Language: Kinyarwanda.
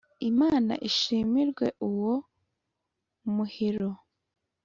imana ishimirwe uwo muhiro.